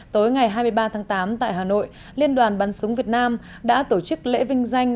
tối ngày hai mươi ba tháng tám tại hà nội liên đoàn bắn súng việt nam đã tổ chức lễ vinh danh